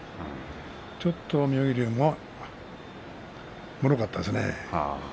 ちょっと妙義龍もろかったですね。